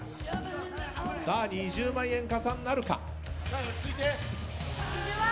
２０万円加算なるか？